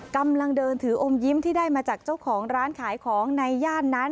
กำลังเดินถืออมยิ้มที่ได้มาจากเจ้าของร้านขายของในย่านนั้น